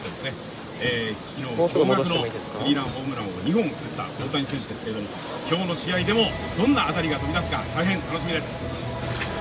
昨日、驚がくのスリーランホームランを２本打った大谷選手ですが、今日の試合でもどんな当たりが飛び出すか大変楽しみです。